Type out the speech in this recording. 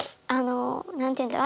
何ていうんだろう。